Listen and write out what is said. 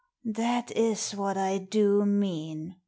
" That is what I do mean.